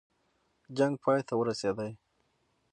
جنګ پای ته ورسېدی.